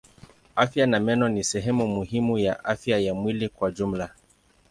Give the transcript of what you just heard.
Afya ya meno ni sehemu muhimu ya afya ya mwili kwa jumla.